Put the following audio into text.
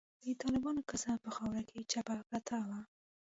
د طالبانو کاسه په خاورو کې چپه پرته وه.